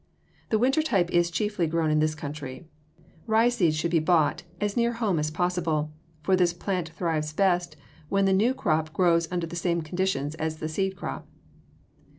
The winter type is chiefly grown in this country. Rye seeds should be bought as near home as possible, for this plant thrives best when the new crop grows under the same conditions as the seed crop.